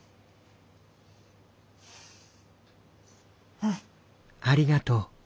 うん。